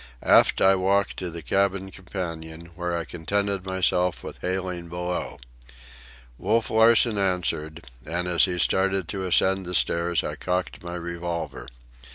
Aft I walked to the cabin companion, where I contented myself with hailing below. Wolf Larsen answered, and as he started to ascend the stairs I cocked my revolver.